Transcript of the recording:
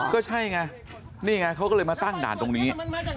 ก็ใช่ไงนี่ไงเขาก็เลยมาตั้งด่านตรงนี้